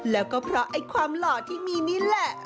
แล้วก็เพราะไอ้ความหล่อที่มีนี่แหละ